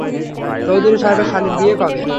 চৌধুরী সাহেবের শালীর বিয়ে কবে?